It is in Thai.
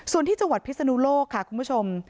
ส่วนที่จังหวัดพิศนุโลกค่ะคุณผู้ชม